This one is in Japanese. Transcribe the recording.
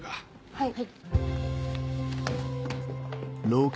はい。